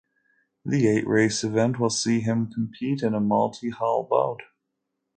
The eight-race event will see him compete in a multi-hull boat.